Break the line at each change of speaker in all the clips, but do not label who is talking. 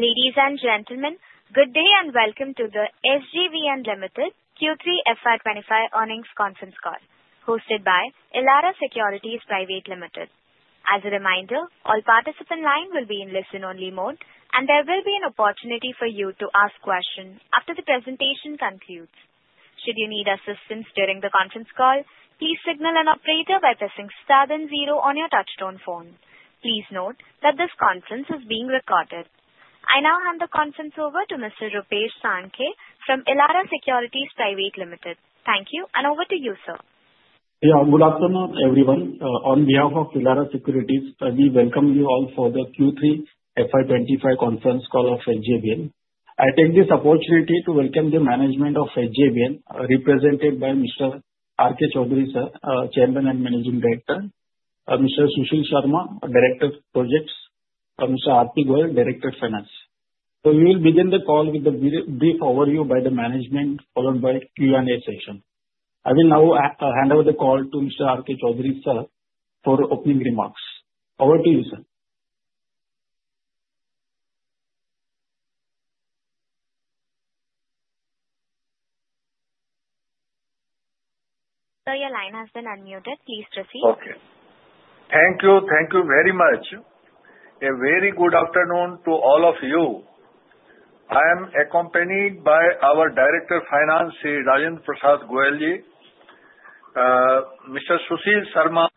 Ladies and gentlemen, good day and welcome to the SJVN Limited Q3 FY25 earnings conference call, hosted by Elara Securities Private Limited. As a reminder, all participants' lines will be in listen-only mode, and there will be an opportunity for you to ask questions after the presentation concludes. Should you need assistance during the conference call, please signal an operator by pressing 70 on your touch-tone phone. Please note that this conference is being recorded. I now hand the conference over to Mr. Rupesh Sankhe from Elara Securities Private Limited. Thank you, and over to you, sir.
Yeah, good afternoon, everyone. On behalf of Elara Securities, we welcome you all for the Q3 FY25 conference call of SJVN. I take this opportunity to welcome the management of SJVN, represented by Mr. R.K. Chaudhary, sir, Chairman and Managing Director. Mr. Sushil Sharma, Director of Projects. Mr. R.P. Goyal, Director of Finance. So we will begin the call with a brief overview by the management, followed by a Q&A session. I will now hand over the call to Mr. R.K. Chaudhary, sir, for opening remarks. Over to you, sir.
So your line has been unmuted. Please proceed.
Okay. Thank you. Thank you very much. A very good afternoon to all of you. I am accompanied by our Director of Finance, Rajendra Prasad Goyal, Mr. Sushil Sharma,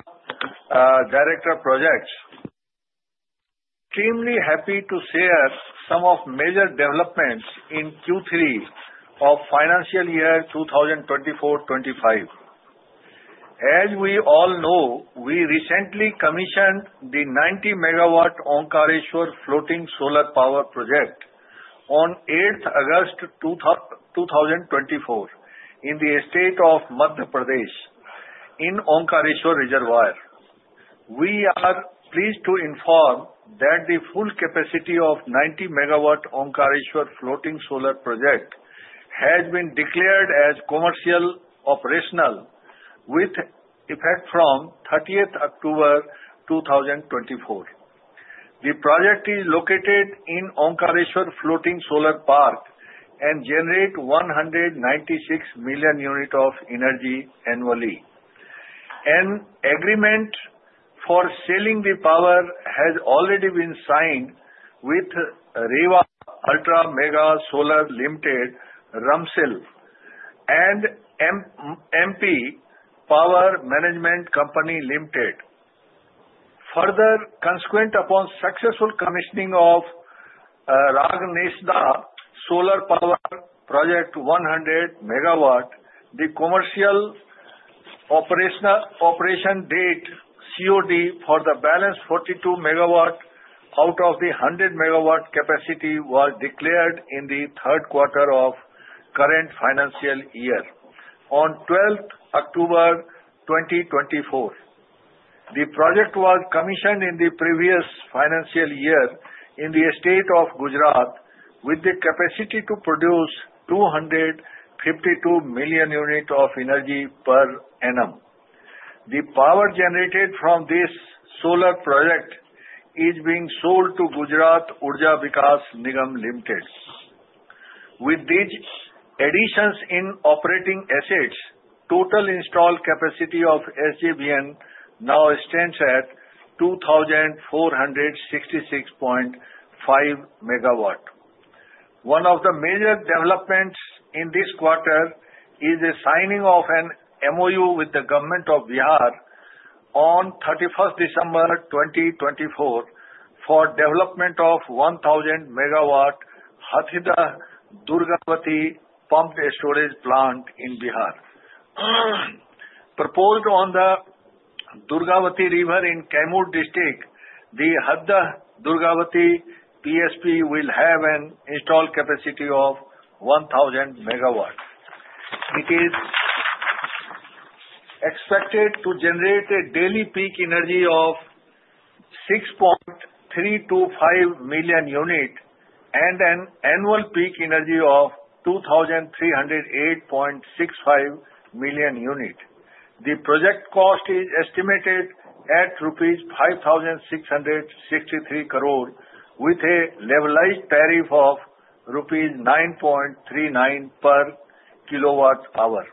Director of Projects. Extremely happy to share some of the major developments in Q3 of the financial year 2024-25. As we all know, we recently commissioned the 90-megawatt Omkareshwar floating solar power project on August 8, 2024, in the state of Madhya Pradesh, in Omkareshwar Reservoir. We are pleased to inform that the full capacity of the 90-megawatt Omkareshwar floating solar project has been declared as commercially operational, with effect from October 30, 2024. The project is located in Omkareshwar Floating Solar Park and generates 196 million units of energy annually. An agreement for selling the power has already been signed with Rewa Ultra Mega Solar Limited, RUMSL, and MP Power Management Company Limited. Further, consequent upon the successful commissioning of Raghanesda Solar Power Project, 100 megawatts, the commercial operation date (COD) for the balance 42 megawatts out of the 100-megawatt capacity was declared in the third quarter of the current financial year, on October 12, 2024. The project was commissioned in the previous financial year in the state of Gujarat, with the capacity to produce 252 million units of energy per annum. The power generated from this solar project is being sold to Gujarat Urja Vikas Nigam Limited. With these additions in operating assets, the total installed capacity of SJVN now stands at 2,466.5 megawatts. One of the major developments in this quarter is the signing of an MoU with the Government of Bihar on December 31, 2024, for the development of a 1,000-megawatt Hathi Dah Durgavati pumped storage plant in Bihar. Proposed on the Durgavati River in Kaimur District, the Hathi Dah Durgavati PSP will have an installed capacity of 1,000 megawatts. It is expected to generate a daily peak energy of 6.325 million units and an annual peak energy of 2,308.65 million units. The project cost is estimated at rupees 5,663 crore, with a levelized tariff of rupees 9.39 per kilowatt-hour.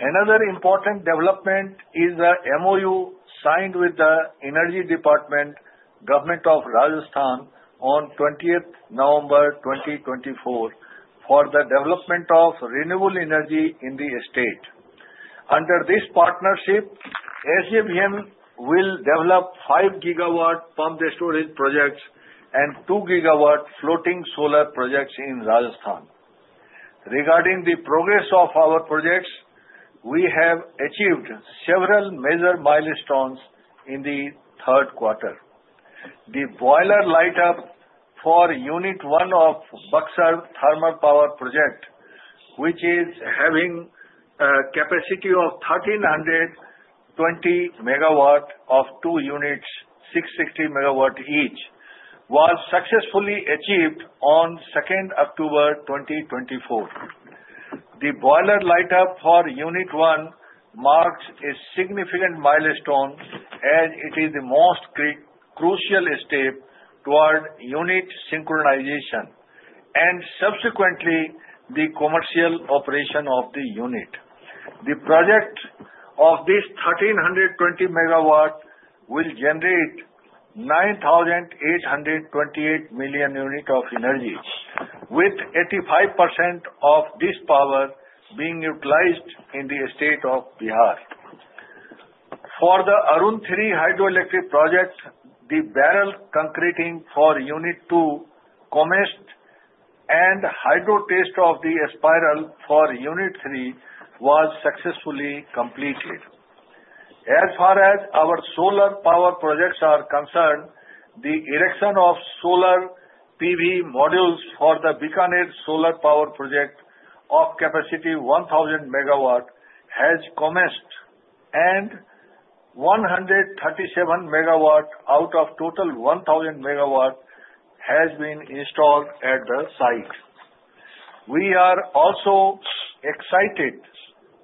Another important development is the MoU signed with the Energy Department, Government of Rajasthan, on November 20, 2024, for the development of renewable energy in the state. Under this partnership, SJVN will develop 5-gigawatt pumped storage projects and 2-gigawatt floating solar projects in Rajasthan. Regarding the progress of our projects, we have achieved several major milestones in the third quarter. The boiler light-up for Unit 1 of Buxar Thermal Power Project, which is having a capacity of 1,320 megawatts of 2 units, 660 megawatts each, was successfully achieved on October 2, 2024. The boiler light-up for Unit 1 marks a significant milestone, as it is the most crucial step toward unit synchronization and subsequently the commercial operation of the unit. The project of this 1,320 megawatts will generate 9,828 million units of energy, with 85% of this power being utilized in the state of Bihar. For the Arun-3 Hydro Electric Project, the barrel concreting for Unit 2 commenced, and hydro test of the spiral case for Unit 3 were successfully completed. As far as our solar power projects are concerned, the erection of solar PV modules for the Bikaner solar power project of capacity 1,000 megawatts has commenced, and 137 megawatts out of total 1,000 megawatts has been installed at the site. We are also excited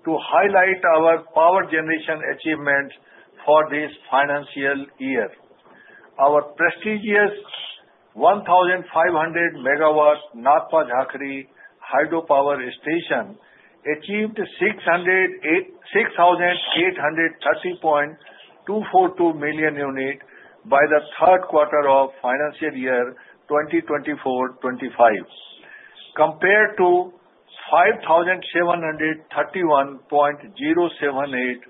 to highlight our power generation achievements for this financial year. Our prestigious 1,500-megawatt Nathpa Jhakri hydropower station achieved 6,830.242 million units by the third quarter of the financial year 2024-25, compared to 5,731.078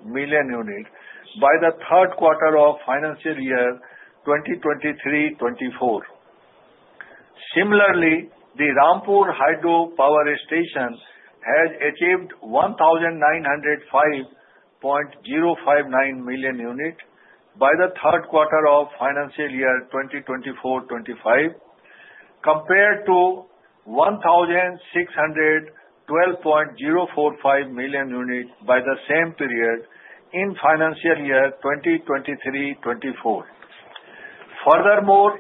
million units by the third quarter of the financial year 2023-24. Similarly, the Rampur hydropower station has achieved 1,905.059 million units by the third quarter of the financial year 2024-25, compared to 1,612.045 million units by the same period in the financial year 2023-24. Furthermore,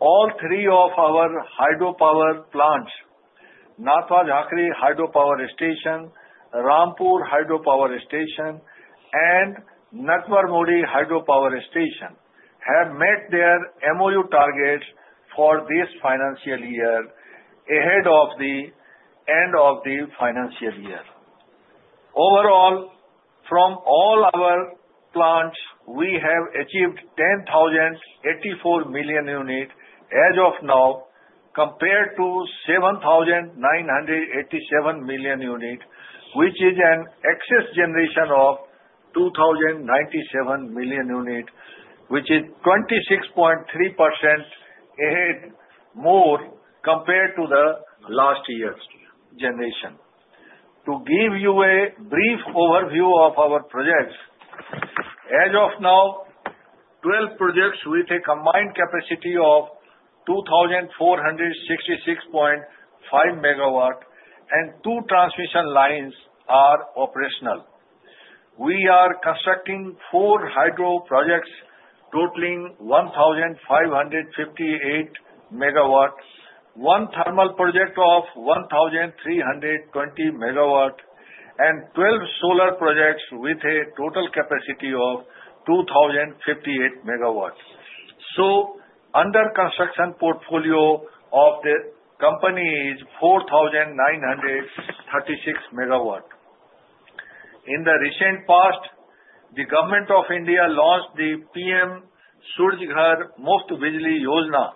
all three of our hydropower plants, Nathpa Jhakri hydropower station, Rampur hydropower station, and Naitwar Mori hydropower station, have met their MoU targets for this financial year ahead of the end of the financial year. Overall, from all our plants, we have achieved 10,084 million units as of now, compared to 7,987 million units, which is an excess generation of 2,097 million units, which is 26.3% more compared to the last year's generation. To give you a brief overview of our projects, as of now, 12 projects with a combined capacity of 2,466.5 megawatts and 2 transmission lines are operational. We are constructing 4 hydro projects totaling 1,558 megawatts, 1 thermal project of 1,320 megawatts, and 12 solar projects with a total capacity of 2,058 megawatts. So, under construction portfolio of the company is 4,936 megawatts. In the recent past, the Government of India launched the PM Surya Ghar: Muft Bijli Yojana,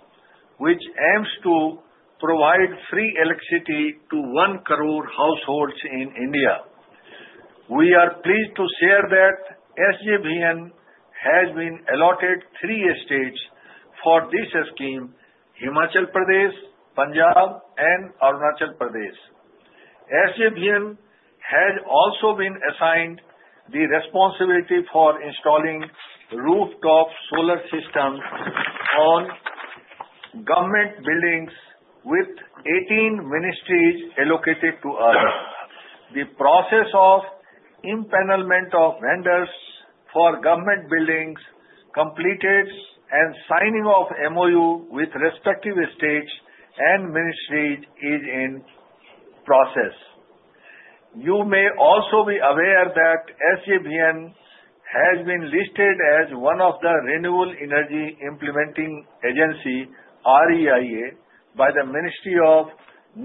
which aims to provide free electricity to 1 crore households in India. We are pleased to share that SJVN has been allotted 3 states for this scheme: Himachal Pradesh, Punjab, and Arunachal Pradesh. SJVN has also been assigned the responsibility for installing rooftop solar systems on government buildings with 18 ministries allocated to us. The process of impanelment of vendors for government buildings, completion, and signing of MoU with respective estates and ministries is in process. You may also be aware that SJVN has been listed as one of the Renewable Energy Implementing Agency (REIA) by the Ministry of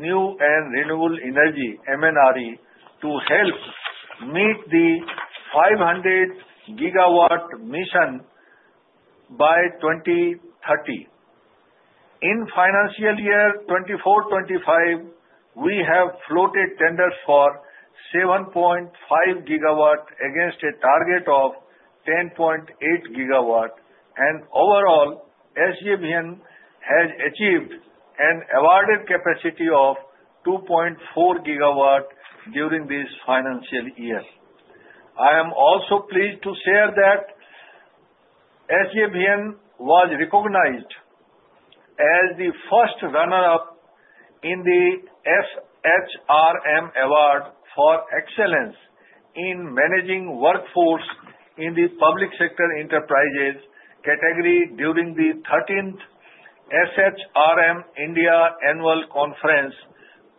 New and Renewable Energy (MNRE) to help meet the 500-gigawatt mission by 2030. In the financial year 24-25, we have floated tenders for 7.5 gigawatts against a target of 10.8 gigawatts, and overall, SJVN has achieved an awarded capacity of 2.4 gigawatts during this financial year. I am also pleased to share that SJVN was recognized as the first runner-up in the SHRM Award for Excellence in Managing Workforce in the Public Sector Enterprises category during the 13th SHRM India Annual Conference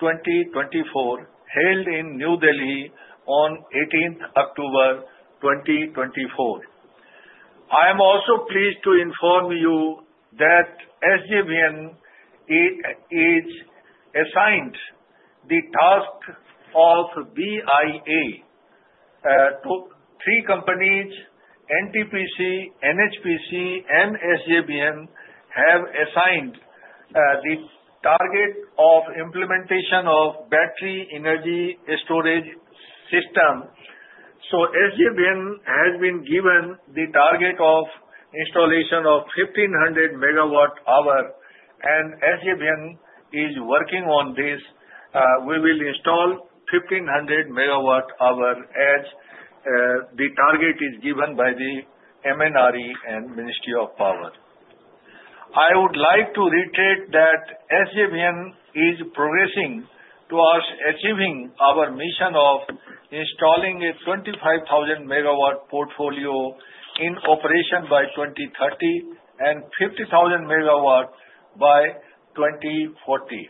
2024, held in New Delhi on October 18, 2024. I am also pleased to inform you that SJVN has assigned the task of BESS. Three companies: NTPC, NHPC, and SJVN have assigned the target of implementation of battery energy storage system. So, SJVN has been given the target of installation of 1,500 megawatt-hours, and SJVN is working on this. We will install 1,500 megawatt-hours as the target is given by the MNRE and Ministry of Power. I would like to reiterate that SJVN is progressing towards achieving our mission of installing a 25,000-megawatt portfolio in operation by 2030 and 50,000 megawatts by 2040.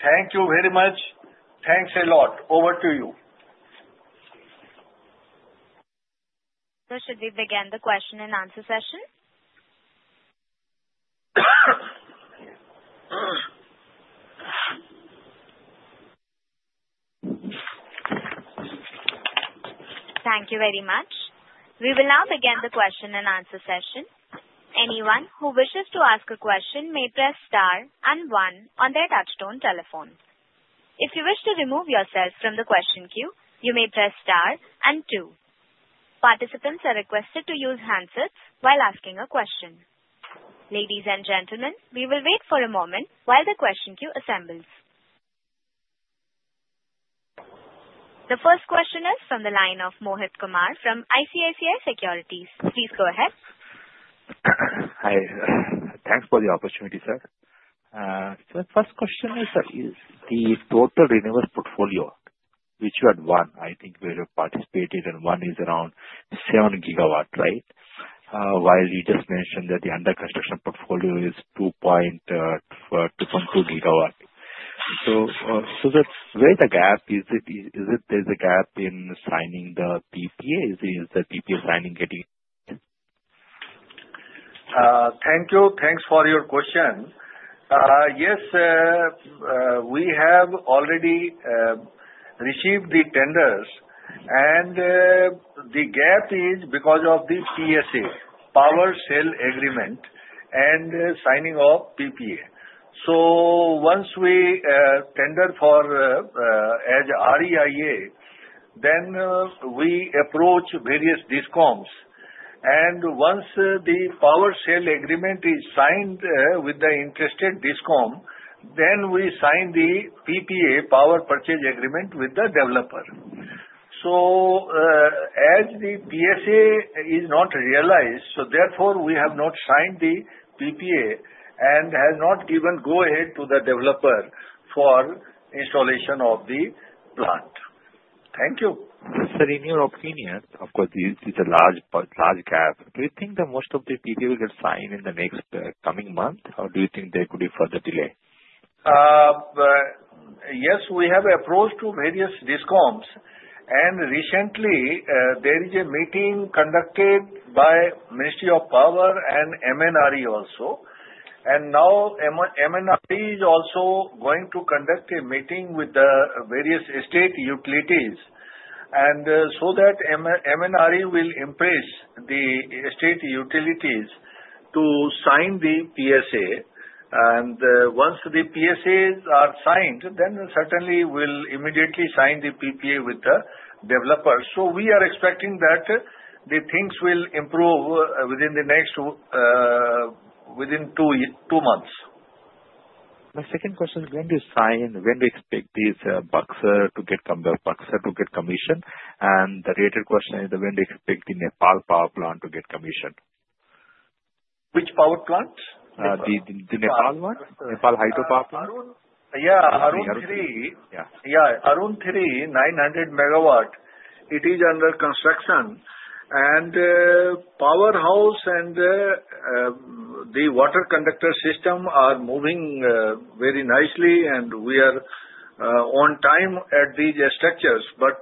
Thank you very much. Thanks a lot. Over to you. So, should we begin the question and answer session? Thank you very much. We will now begin the question and answer session. Anyone who wishes to ask a question may press star and 1 on their touch-tone telephone.
If you wish to remove yourself from the question queue, you may press star and 2. Participants are requested to use handsets while asking a question. Ladies and gentlemen, we will wait for a moment while the question queue assembles. The first question is from the line of Mohit Kumar from ICICI Securities. Please go ahead.
Hi. Thanks for the opportunity, sir. So, the first question is the total renewable portfolio, which you had won, I think, where you participated, and one is around 7 gigawatts, right? While you just mentioned that the under-construction portfolio is 2.2 gigawatts. So, where is the gap? Is there a gap in signing the PPA? Is the PPA signing getting?
Thank you. Thanks for your question. Yes, we have already received the tenders, and the gap is because of the PSA, Power Sale Agreement, and signing of PPA. So, once we tender as REIA, then we approach various DISCOMs. And once the Power Sale Agreement is signed with the interested DISCOM, then we sign the PPA, Power Purchase Agreement, with the developer. So, as the PSA is not realized, so therefore we have not signed the PPA and have not given go-ahead to the developer for installation of the plant. Thank you.
Sir, in your opinion, of course, this is a large gap. Do you think that most of the PPA will get signed in the next coming month, or do you think there could be further delay?
Yes, we have approached various DISCOMs, and recently, there is a meeting conducted by the Ministry of Power and MNRE also. And now, MNRE is also going to conduct a meeting with the various state utilities, so that MNRE will impress the state utilities to sign the PSA. Once the PSAs are signed, then certainly we'll immediately sign the PPA with the developers. We are expecting that the things will improve within two months.
My second question is, when do you expect Buxar to get commissioned? The related question is, when do you expect the Nepal power plant to get commissioned?
Which power plant?
The Nepal one, Nepal hydro power plant?
Yeah, Arun-3. Yeah, Arun-3, 900 megawatts. It is under construction, and the powerhouse and the water conductor system are moving very nicely, and we are on time at these structures. But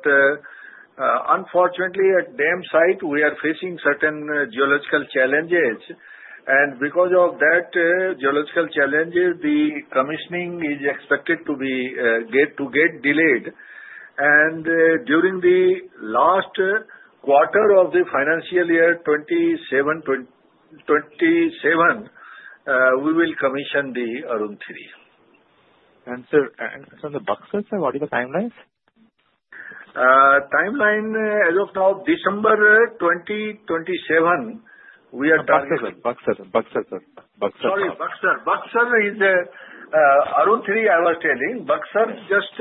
unfortunately, at dam site, we are facing certain geological challenges, and because of that geological challenges, the commissioning is expected to get delayed. During the last quarter of the financial year 2027, we will commission the Arun-3.
Sir, it's on the Buxar, sir? What are the timelines?
Timeline as of now, December 2027.
We are talking Buxar, Buxar, Buxar, sir.
Sorry, Buxar. Buxar is Arun-3, I was telling. Buxar just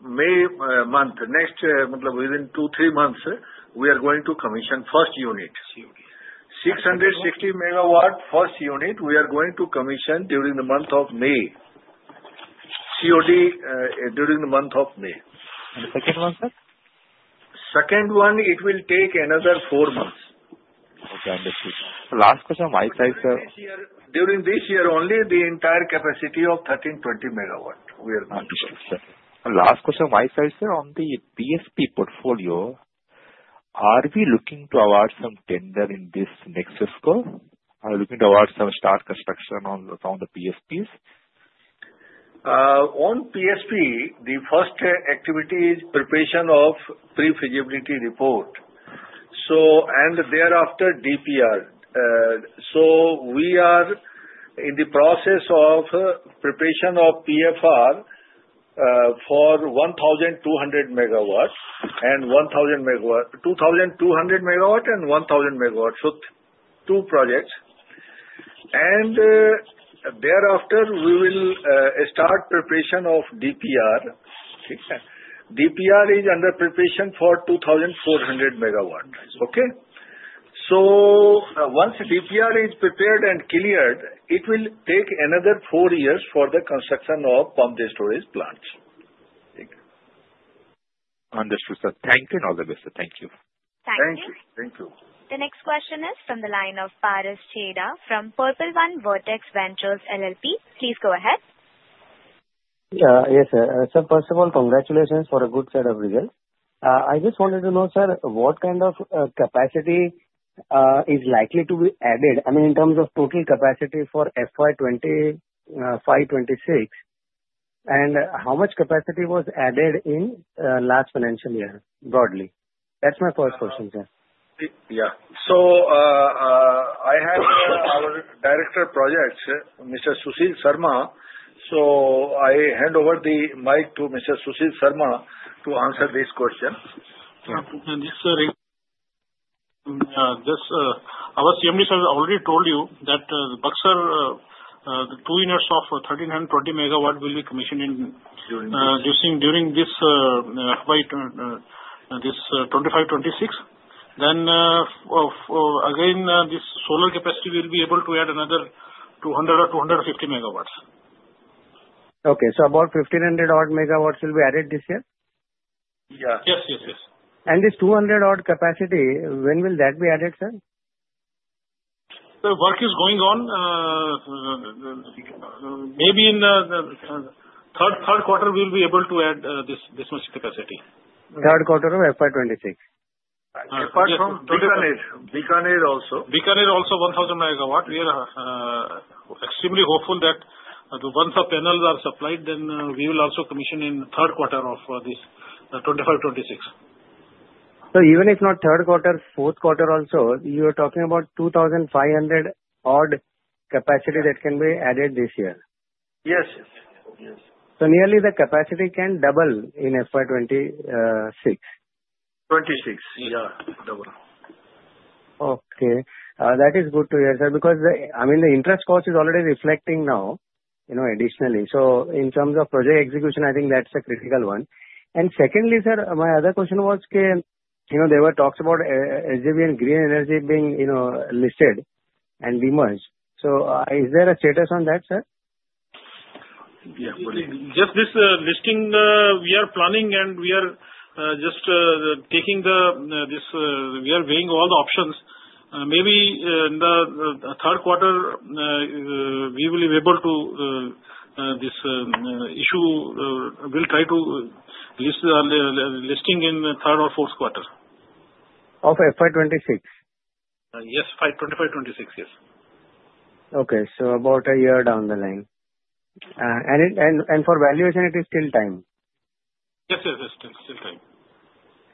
May month. Next, within two, three months, we are going to commission the first unit. 660 megawatts, first unit, we are going to commission during the month of May.
COD during the month of May. And the second one, sir?
Second one, it will take another four months.
Okay, understood. Last question, my side, sir.
During this year only, the entire capacity of 1,320 megawatts. We are going to commission.
Last question, my side, sir, on the PSP portfolio, are we looking to award some tender in this next fiscal? Are we looking to award some start construction on the PSPs?
On PSP, the first activity is preparation of pre-feasibility report, and thereafter, DPR. We are in the process of preparation of PFR for 1,200 megawatts and 1,200 megawatts and 1,000 megawatts. So, two projects. And thereafter, we will start preparation of DPR. DPR is under preparation for 2,400 megawatts. Okay? So, once DPR is prepared and cleared, it will take another four years for the construction of pumped-storage plants.
Understood, sir. Thank you and all the best. Thank you.
Thank you.
Thank you.
Thank you. The next question is from the line of Paras Chheda from Purple One Vertex Ventures LLP. Please go ahead.
Yeah, yes, sir. Sir, first of all, congratulations for a good set of results. I just wanted to know, sir, what kind of capacity is likely to be added, I mean, in terms of total capacity for FY 2025-26, and how much capacity was added in the last financial year, broadly? That's my first question, sir. Yeah.
I have our Director of Projects, Mr. Sushil Sharma. I hand over the mic to Mr. Sushil Sharma to answer this question. Sir,
Our CMD sir has already told you that Buxar, the two units of 1,320 megawatts will be commissioned during this FY 25-26. Then, again, this solar capacity will be able to add another 200 or 250 megawatts.
Okay. So, about 1,500 megawatts will be added this year?
Yeah. Yes, yes, yes.
And this 200-odd capacity, when will that be added, sir?
The work is going on. Maybe in the third quarter, we will be able to add this much capacity.
Third quarter of FY 26? Apart from Bikaner also.
Bikaner also, 1,000 megawatts. We are extremely hopeful that once the panels are supplied, then we will also commission in the third quarter of this 25-26.
So, even if not third quarter, fourth quarter also, you are talking about 2,500-odd capacity that can be added this year?
Yes, yes, yes.
So, nearly the capacity can double in FY 26
26, yeah. Double.
Okay. That is good to hear, sir, because, I mean, the interest cost is already reflecting now, additionally. So, in terms of project execution, I think that's a critical one. And secondly, sir, my other question was, there were talks about SJVN Green Energy being listed and we merged. So, is there a status on that, sir?
Yeah. Just this listing, we are planning, and we are just weighing all the options. Maybe in the third quarter, we will be able to issue; we'll try listing in the third or fourth quarter.
Of FY 26?
Yes, FY 25-26, yes.
Okay. So, about a year down the line. And for valuation, it is still time?
Yes, yes, yes. Still time.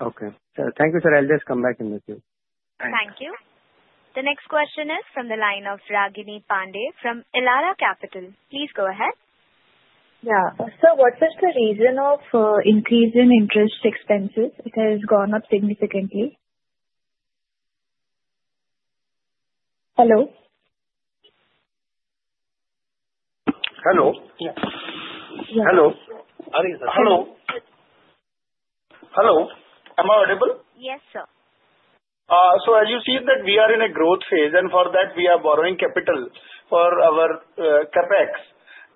Okay. Thank you, sir. I'll just come back and meet you.
Thank you. The next question is from the line of Ragini Pande from Elara Capital. Please go ahead.
Yeah. Sir, what is the reason of increase in interest expenses? It has gone up significantly. Hello?
Hello? Yes. Hello? Hello. Hello? Am I audible?
Yes, sir.
So, as you see that we are in a growth phase, and for that, we are borrowing capital for our CapEx.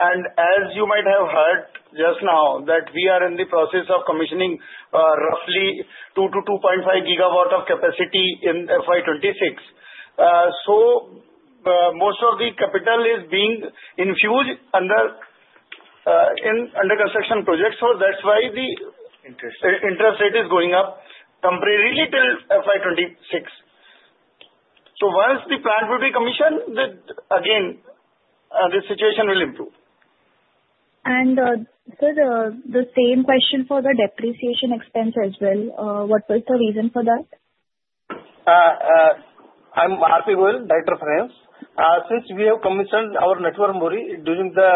And as you might have heard just now, that we are in the process of commissioning roughly 2 to 2.5 gigawatts of capacity in FY 26. So, most of the capital is being infused under construction projects. So, that's why the interest rate is going up temporarily till FY 26. So, once the plant will be commissioned, again, the situation will improve.
And sir, the same question for the depreciation expense as well. What was the reason for that?
I'm R.P. Goyal, Director of Finance. Since we have commissioned our network during the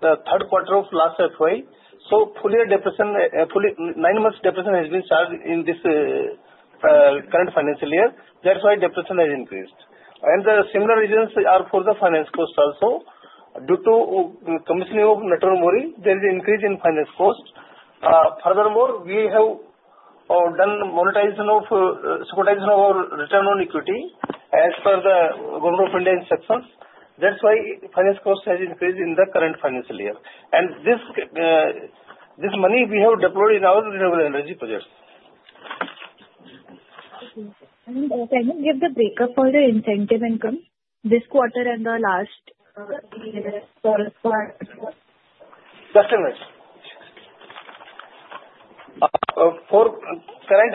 third quarter of last FY, so nine months depreciation has been charged in this current financial year. That's why depreciation has increased. And the similar reasons are for the finance cost also. Due to commissioning of network, there is an increase in finance cost. Furthermore, we have done monetization of securitization of our return on equity as per the Government of India's instructions. That's why finance cost has increased in the current financial year. And this money we have deployed in our renewable energy projects.
Can you give the breakup for the incentive income this quarter and the last year?
Just a minute. For current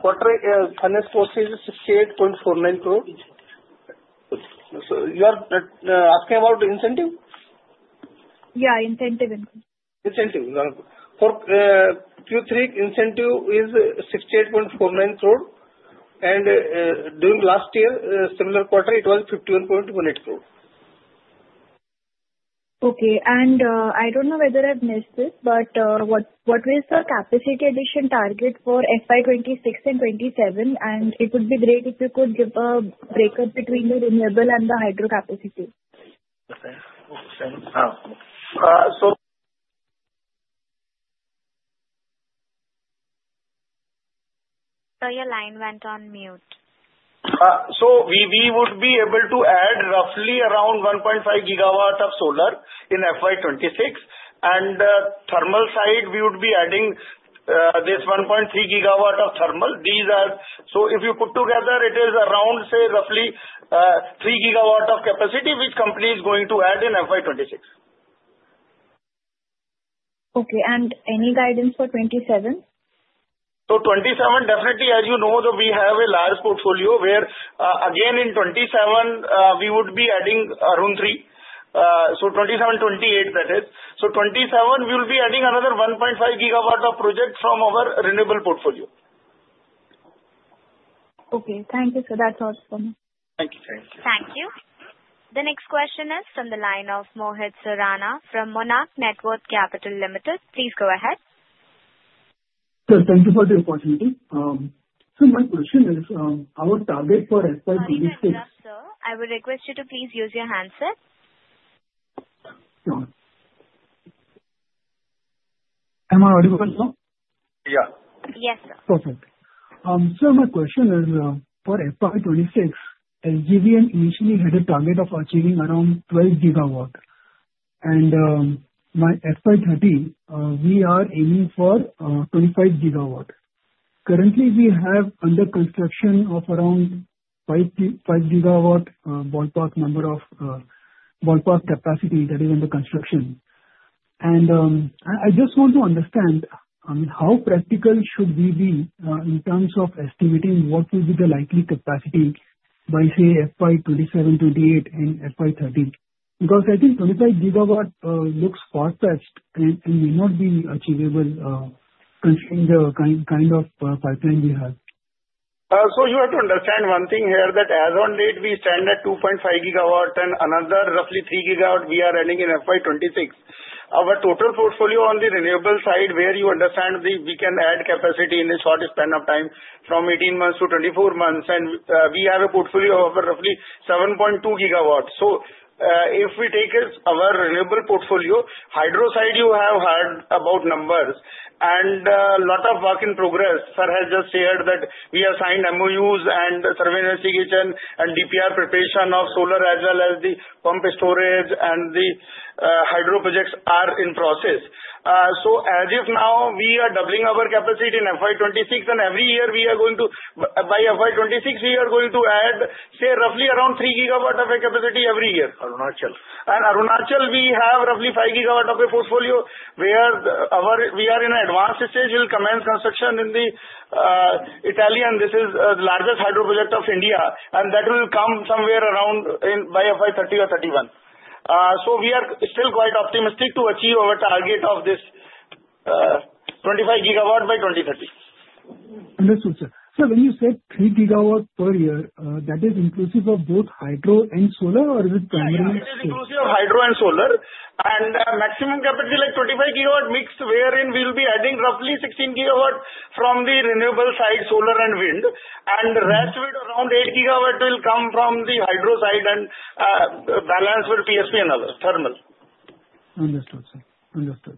quarter, finance cost is INR 68.49 crore. You are asking about incentive? Yeah, incentive income. Incentive. For Q3, incentive is 68.49 crore. And during last year, similar quarter, it was 51.18 crore.
Okay. And I don't know whether I've missed this, but what was the capacity addition target for FY 2026 and 2027? And it would be great if you could give a breakup between the renewable and the hydro capacity. Sir,
your line went on mute.
We would be able to add roughly around 1.5 gigawatts of solar in FY 2026. And thermal side, we would be adding this 1.3 gigawatts of thermal. So, if you put together, it is around, say, roughly 3 gigawatts of capacity, which company is going to add in FY 2026.
Okay. And any guidance for 2027?
2027, definitely, as you know, we have a large portfolio where, again, in 2027, we would be adding Arun-3. So, 2027-28, that is. So, 2027, we will be adding another 1.5 gigawatts of project from our renewable portfolio.
Okay. Thank you, sir. That's all from me.
Thank you.
Thank you. Thank you. The next question is from the line of Mohit Surana from Monarch Networth Capital Limited. Please go ahead.
Sir, thank you for the opportunity. Sir, my question is, our target for FY 2026.
Sir, I would request you to please use your hand, sir.
Am I audible now?
Yeah.
Yes,
Perfect. Sir, my question is, for FY 2026, SJVN initially had a target of achieving around 12 gigawatts. And by FY 2030, we are aiming for 25 gigawatts. Currently, we have under construction of around 5 gigawatt ballpark number of ballpark capacity that is under construction. I just want to understand, I mean, how practical should we be in terms of estimating what will be the likely capacity by, say, FY 27-28 and FY 30? Because I think 25 gigawatts looks far-fetched and may not be achievable considering the kind of pipeline we have.
You have to understand one thing here that as of date, we stand at 2.5 gigawatts, and another roughly 3 gigawatts we are adding in FY 26. Our total portfolio on the renewable side, where you understand we can add capacity in a short span of time from 18 months to 24 months, and we have a portfolio of roughly 7.2 gigawatts. If we take our renewable portfolio, hydro side, you have heard about numbers. A lot of work in progress. Sir has just shared that we have signed MOUs and survey investigation and DPR preparation of solar as well as the pumped storage and the hydro projects are in process. So, as of now, we are doubling our capacity in FY 2026, and every year we are going to, by FY 2026, we are going to add, say, roughly around 3 gigawatts of capacity every year. Arunachal. And Arunachal, we have roughly 5 gigawatts of a portfolio where we are in an advanced stage, will commence construction in the Etalin. This is the largest hydro project of India, and that will come somewhere around by FY 2030 or 2031. So, we are still quite optimistic to achieve our target of this 25 gigawatts by 2030.
Understood, sir. Sir, when you said 3 gigawatts per year, that is inclusive of both hydro and solar, or is it primarily?
It is inclusive of hydro and solar. And maximum capacity like 25 gigawatts mixed wherein we will be adding roughly 16 gigawatts from the renewable side, solar and wind. And the rest will be around 8 gigawatts will come from the hydro side and balance with PSP and other thermal.
Understood, sir. Understood.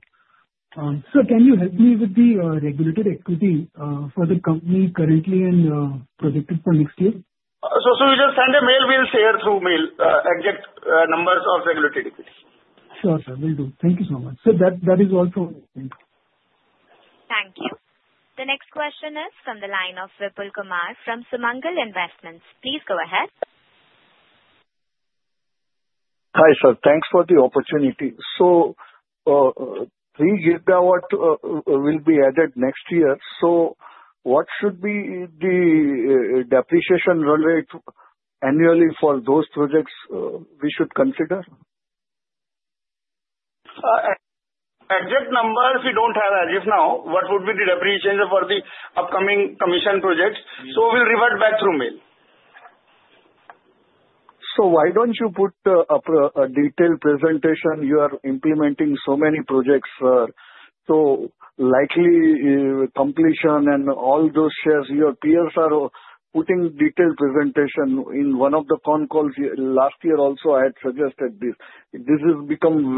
Sir, can you help me with the regulated equity for the company currently and projected for next year?
So, you just send a mail, we'll share through mail exact numbers of regulated equity.
Sure, sir. Will do. Thank you so much. Sir, that is all from me.
Thank you. The next question is from the line of Vipul Kumar from Sumangal Investments. Please go ahead.
Hi, sir. Thanks for the opportunity. So, 3 gigawatts will be added next year. So, what should be the depreciation run rate annually for those projects we should consider?
Exact numbers, we don't have as of now. What would be the depreciation for the upcoming commission projects? So, we'll revert back through mail.
So, why don't you put a detailed presentation? You are implementing so many projects, sir. So, likely completion and all those shares, your peers are putting detailed presentation in one of the con calls last year also. I had suggested this. This has become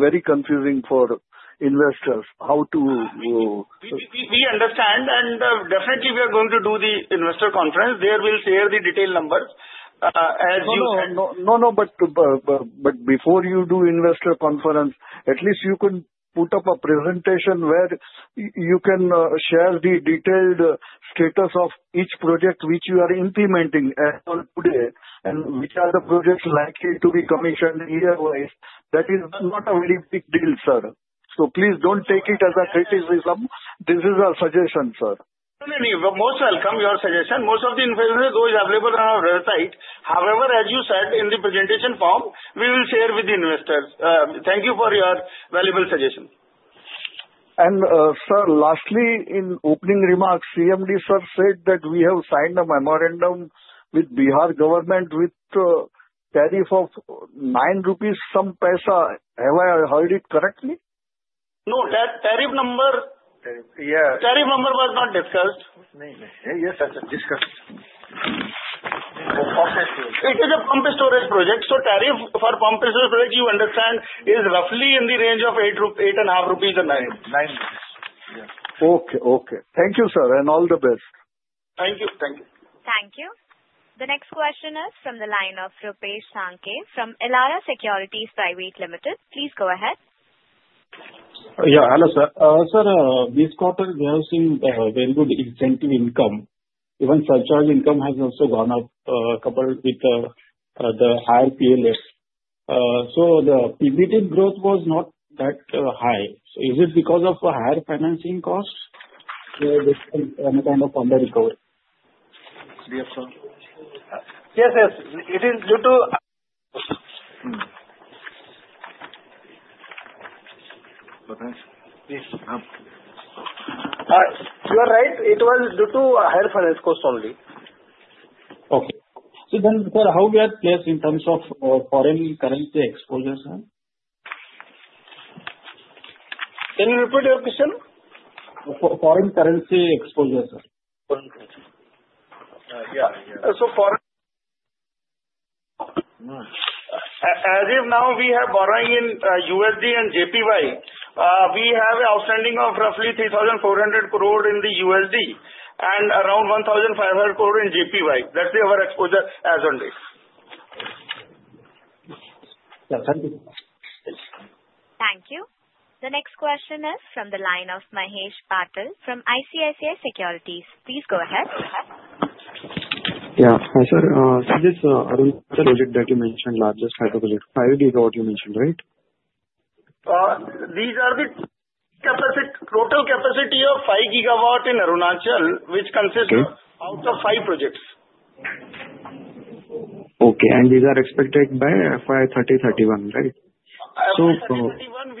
very confusing for investors. How to?
We understand, and definitely, we are going to do the investor conference. There we'll share the detailed numbers. As you said,
no, no, but before you do investor conference, at least you could put up a presentation where you can share the detailed status of each project which you are implementing today and which are the projects likely to be commissioned year-wise. That is not a very big deal, sir. So, please don't take it as a criticism. This is our suggestion, sir.
No, no, no. Most welcome your suggestion. Most of the inventory is available on our website. However, as you said in the presentation form, we will share with the investors. Thank you for your valuable suggestion.
And sir, lastly, in opening remarks, CMD sir said that we have signed a memorandum with Bihar government with a tariff of 9 rupees some paise. Have I heard it correctly?
No, that tariff number, tariff number was not discussed.
No, no. Yes, sir. Discussed.
It is a pumped storage project. So, tariff for pumped storage project, you understand, is roughly in the range of 8.5 rupees to 9 rupees.
Okay, okay. Thank you, sir, and all the best.
Thank you.
Thank you. Thank you. The next question is from the line of Rupesh Sankhe from Elara Securities Private Limited. Please go ahead.
Yeah. Hello, sir. Sir, this quarter, we have seen very good incentive income. Even surcharge income has also gone up coupled with the higher PLF. So, the PBT growth was not that high. So, is it because of higher financing costs? Or is it any kind of under recovery? Yes, sir. Yes, yes. It is due to.
You are right. It was due to higher finance cost only.
Okay. So, then, sir, how we are placed in terms of foreign currency exposure, sir?
Can you repeat your question?
Foreign currency exposure, sir. Foreign currency. Yeah, yeah.
So, foreign. As of now, we have borrowing in USD and JPY. We have an outstanding of roughly 3,400 crore in the USD and around INR 1,500 crore in JPY. That's our exposure as of late.
Thank you. The next question is from the line of Mahesh Patil from ICICI Securities. Please go ahead.
Yeah. Hi, sir. So, this Arunachal project that you mentioned, largest hydro project, 5 gigawatts you mentioned, right?
These are the total capacity of 5 gigawatts in Arunachal, which consists out of 5 projects.
Okay. And these are expected by FY 2030-31, right?
So. FY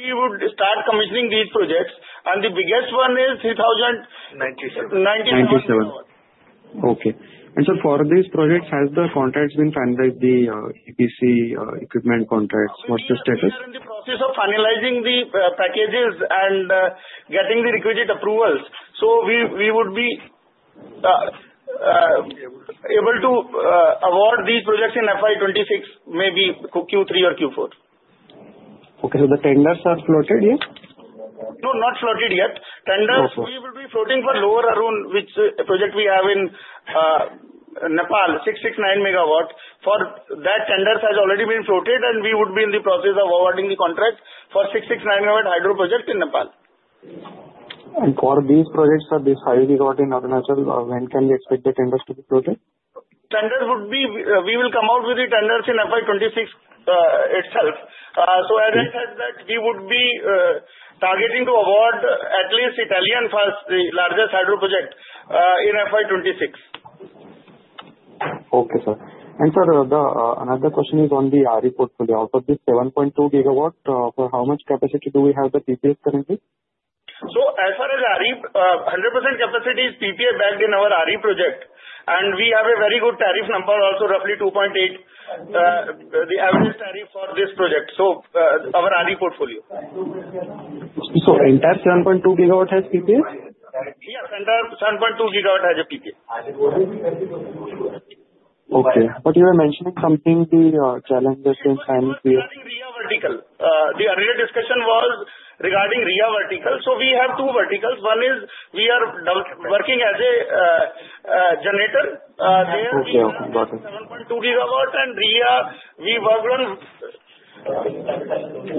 2030-31, we would start commissioning these projects. And the biggest one is 3,097.
Okay. And sir, for these projects, have the contracts been finalized, the EPC equipment contracts? What's the status?
We are in the process of finalizing the packages and getting the requisite approvals. So, we would be able to award these projects in FY 2026, maybe Q3 or Q4.
Okay. So, the tenders are floated yet?
No, not floated yet. Tenders, we will be floating for Lower Arun, which project we have in Nepal, 669 megawatts. For that, tenders have already been floated, and we would be in the process of awarding the contract for 669 megawatt hydro project in Nepal.
And for these projects of this 5 gigawatt in Arunachal, when can we expect the tenders to be floated?
Tenders would be we will come out with the tenders in FY 26 itself. So, as I said, that we would be targeting to award at least Etalin first, the largest hydro project in FY 26.
Okay, sir. And sir, another question is on the RE portfolio. Out of this 7.2 gigawatts, for how much capacity do we have the PPAs currently?
So, as far as RE, 100% capacity is PPA backed in our RE project. And we have a very good tariff number also, roughly 2.8, the average tariff for this project, so our RE portfolio.
So, entire 7.2 gigawatt has PPAs?
Yes, the entire 7.2 gigawatts has a PPA.
Okay. But you were mentioning something about the challenges in financing here. Regarding RIA vertical,
the earlier discussion was regarding RIA vertical. So, we have two verticals. One is we are working as a generator.
Okay, okay. Got it.
7.2 gigawatts and RIA, we work on.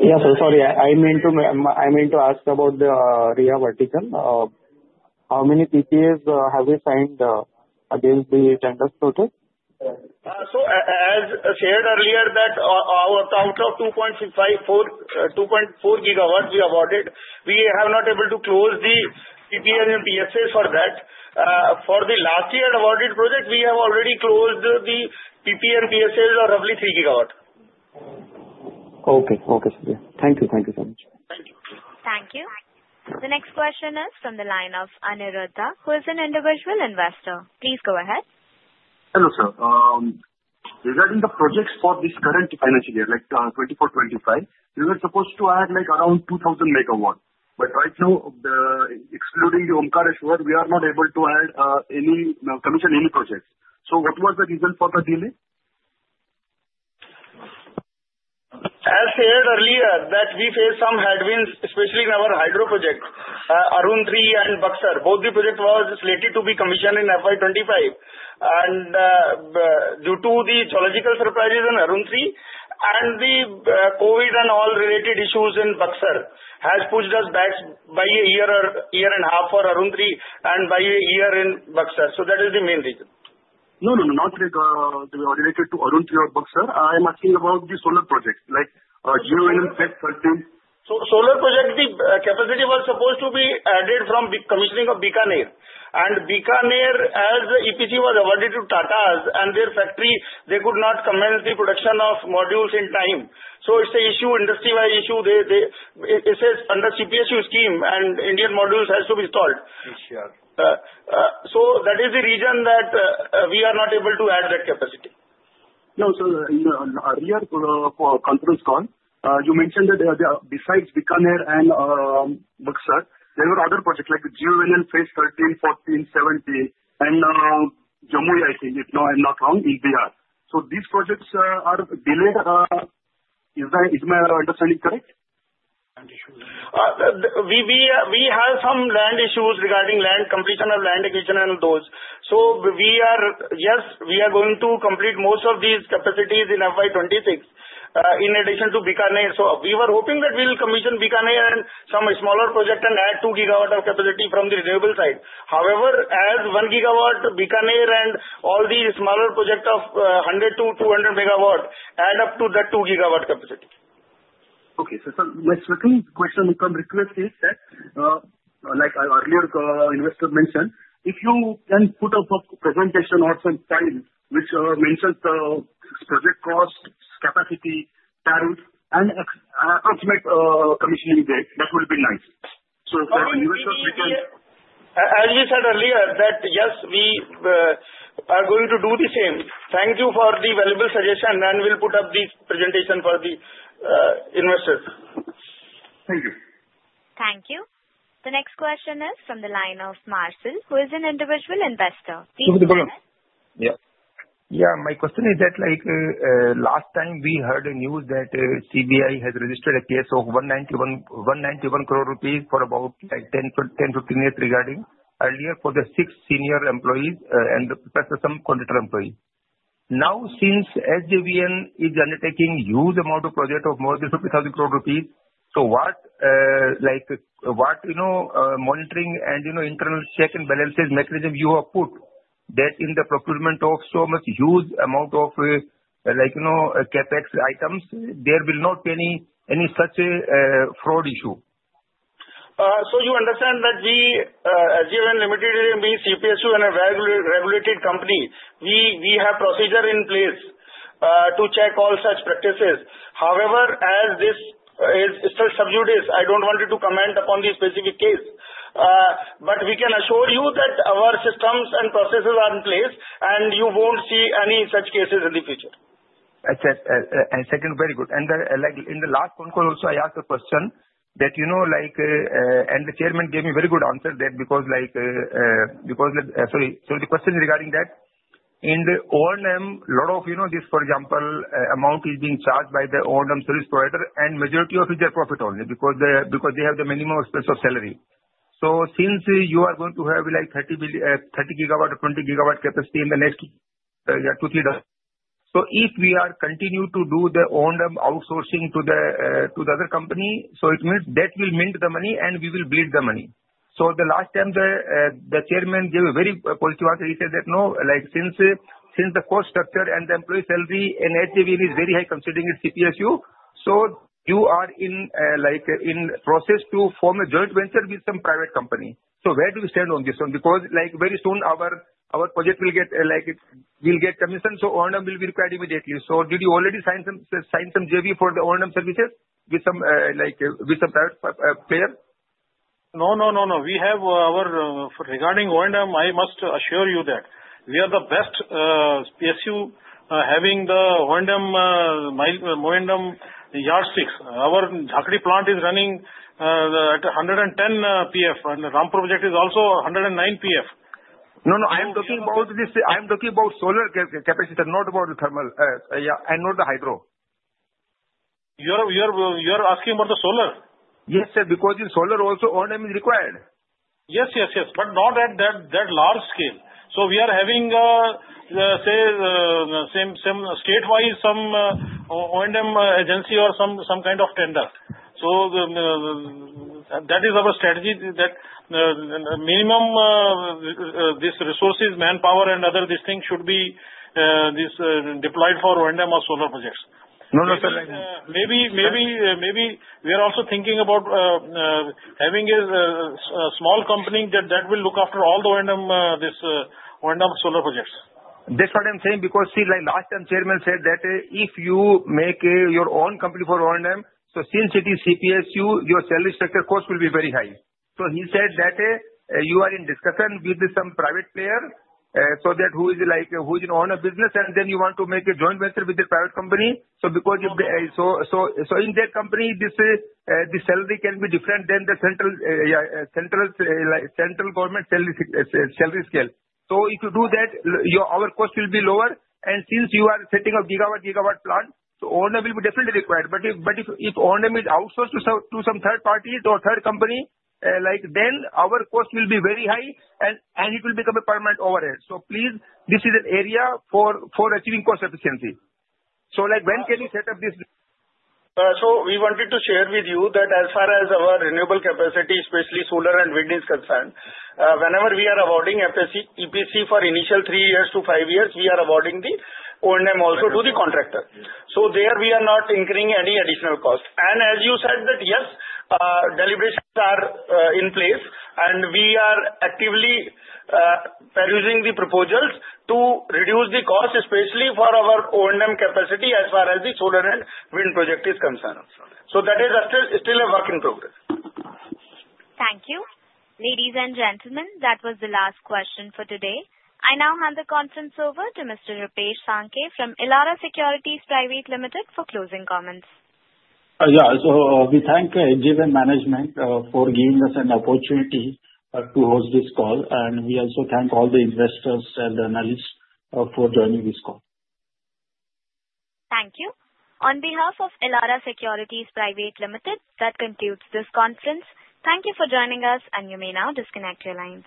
Yeah, sir. Sorry, I mean to ask about the RIA vertical. How many PPAs have we signed against the tender projects?
So, as shared earlier, that our count of 2.4 gigawatts we awarded, we have not been able to close the PPAs and PSAs for that. For the last year awarded project, we have already closed the PPA and PSAs of roughly 3 gigawatts.
Okay, okay. Thank you. Thank you so much. Thank you.
Thank you. The next question is from the line of Aniruddha, who is an individual investor. Please go ahead.
Hello, sir.
Regarding the projects for this current financial year, like 24-25, we were supposed to add like around 2,000 megawatts. But right now, excluding the Omkareshwar, we are not able to add commission any projects. So, what was the reason for the delay?
As shared earlier, that we faced some headwinds, especially in our hydro project, Arun-3 and Buxar. Both the project was slated to be commissioned in FY 25. And due to the geological surprises in Arun-3 and the COVID and all related issues in Buxar, has pushed us back by a year or year and a half for Arun-3 and by a year in Buxar. So, that is the main reason.
No, no, no. Not related to Arun-3 or Buxar. I am asking about the solar project, like GUVNL-13.
So, solar project, the capacity was supposed to be added from commissioning of Bikaner. Bikaner, as the EPC was awarded to Tatas and their factory, they could not commence the production of modules in time. So, it's an issue, industry-wide issue. It says under CPSU scheme, and Indian modules have to be installed. So, that is the reason that we are not able to add that capacity.
No, sir. Earlier conference call, you mentioned that besides Bikaner and Buxar, there were other projects like GONM phase 13, 14, 17, and Jamui, I think, if I'm not wrong, in Bihar. So, these projects are delayed. Is my understanding correct?
We have some land issues regarding land completion of land acquisition and those. So, yes, we are going to complete most of these capacities in FY 26 in addition to Bikaner. So, we were hoping that we will commission Bikaner and some smaller project and add two gigawatt of capacity from the renewable side. However, as one gigawatt Bikaner and all the smaller projects of 100 to 200 megawatt add up to that two gigawatt capacity.
Okay, sir. Sir, my second question becomes a request is that, like earlier investor mentioned, if you can put up a presentation or sometime which mentions the project cost, capacity, tariff, and approximate commissioning date, that would be nice. So, investors, we can.
As we said earlier, that yes, we are going to do the same. Thank you for the valuable suggestion, and we'll put up this presentation for the investors. Thank you.
Thank you. The next question is from the line of Marcel, who is an individual investor. Sir, may I? Yeah. Yeah.
My question is that last time we heard a news that CBI has registered a case of 191 crore rupees for about 10, 15 years regarding earlier for the six senior employees and some contractual employees. Now, since SJVN is undertaking huge amount of project of more than 50,000 crore rupees, so what monitoring and internal checks and balances mechanism you have put that in the procurement of so much huge amount of CapEx items, there will not be any such fraud issue?
So, you understand that we, SJVN Limited, and we, CPSU, and a regulated company, we have procedures in place to check all such practices. However, as this is still sub judice, I don't want you to comment upon the specific case. But we can assure you that our systems and processes are in place, and you won't see any such cases in the future.
And second, very good. In the last phone call also, I asked a question that, and the chairman gave me very good answer that because, sorry, the question regarding that, in the O&M, a lot of this, for example, amount is being charged by the O&M service provider and majority of it is their profit only because they have the minimum expense of salary. So, since you are going to have like 30 gigawatt or 20 gigawatt capacity in the next 2, 3 days, so if we continue to do the O&M outsourcing to the other company, so it means that will mint the money and we will bleed the money. The last time the Chairman gave a very positive answer. He said that, "No, since the cost structure and the employee salary in SJVN is very high considering it's CPSU, so you are in process to form a joint venture with some private company." Where do we stand on this one? Because very soon our project will get commissioned, so O&M will be required immediately. Did you already sign some JV for the O&M services with some private player?
No, no, no, no. We have our regarding O&M. I must assure you that we are the best CPSU having the O&M yardstick. Our Jhakri plant is running at 110 PLF, and the Rampur project is also 109 PLF.No, no.
I am talking about solar capacity, not about the thermal. Yeah, and not the hydro.
You are asking about the solar?
Yes, sir, because in solar also, O&M is required.
Yes, yes, yes. But not at that large scale. So, we are having, say, state-wise some O&M agency or some kind of tender. So, that is our strategy that minimum this resources, manpower, and other these things should be deployed for O&M of solar projects. No, no, sir. Maybe we are also thinking about having a small company that will look after all the O&M solar projects. That's what I'm saying because, see, last time chairman said that if you make your own company for O&M, so since it is CPSU, your salary structure cost will be very high. So, he said that you are in discussion with some private player who is in O&M business, and then you want to make a joint venture with the private company. Because if so in that company, the salary can be different than the central government salary scale. If you do that, our cost will be lower, and since you are setting a gigawatt plant, O&M will be definitely required, but if O&M is outsourced to some third party or third company, then our cost will be very high, and it will become a permanent overhead. Please, this is an area for achieving cost efficiency. When can you set up this? We wanted to share with you that as far as our renewable capacity, especially solar and wind is concerned, whenever we are awarding EPC for initial three years to five years, we are awarding the O&M also to the contractor. There we are not incurring any additional cost. And as you said that, yes, deliberations are in place, and we are actively perusing the proposals to reduce the cost, especially for our O&M capacity as far as the solar and wind project is concerned. So, that is still a work in progress.
Thank you. Ladies and gentlemen, that was the last question for today. I now hand the conference over to Mr. Rupesh Sankhe from Elara Securities Private Limited for closing comments.
Yeah. So, we thank SJVN Management for giving us an opportunity to host this call. And we also thank all the investors and analysts for joining this call.
Thank you. On behalf of Elara Securities Private Limited, that concludes this conference. Thank you for joining us, and you may now disconnect your lines.